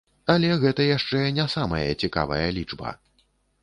Але гэта яшчэ не самая цікавая лічба!